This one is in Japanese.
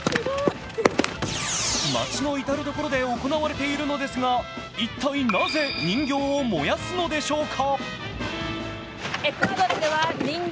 街の至る所で行われているのですが一体、なぜ人形を燃やすのでしょうか？